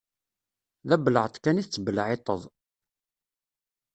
D abelεeṭ kan i tettbelεiṭed.